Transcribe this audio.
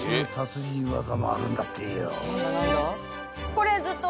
これずっと。